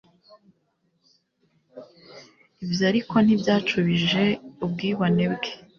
ibyo ariko ntibyacubije ubwibone bwe